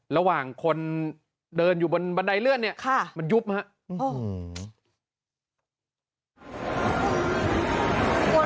ระหว่างคนเดินอยู่บนบันไดเลื่อนเนี่ยมันยุบครับ